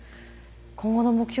今後の目標